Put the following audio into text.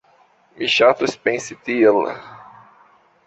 Mi ŝatus pensi tiel.